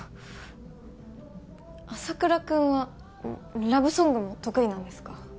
朝倉君はラブソングも得意なんですか？